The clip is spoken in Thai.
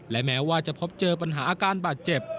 และแม้ว่าจะพบเจอปัญหาอาการบาดเจ็บ